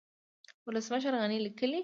ولسمشر غني ليکلي